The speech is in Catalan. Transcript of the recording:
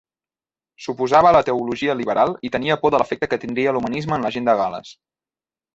S'oposava a la teologia liberal i tenia por de l'efecte que tindria l'humanisme en la gent de Gal·les.